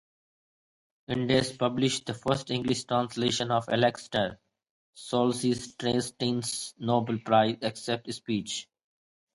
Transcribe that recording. Index published the first English translation of Alexander Solzhenitsyn's Nobel Prize acceptance speech.